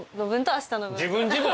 自分自分？